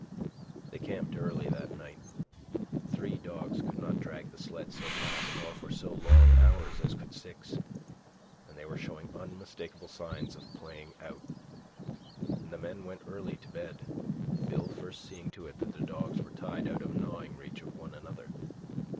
They camped early that night. Three dogs could not drag the sled so fast nor for so long hours as could six, and they were showing unmistakable signs of playing out. And the men went early to bed, Bill first seeing to it that the dogs were tied out of gnawing reach of one another.